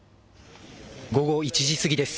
午後１時過ぎです。